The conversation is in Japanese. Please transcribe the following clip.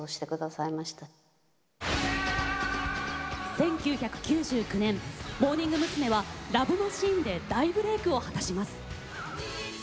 １９９９年モーニング娘。は「ＬＯＶＥマシーン」で大ブレークを果たします。